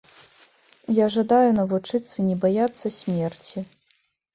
Я жадаю навучыцца не баяцца смерці.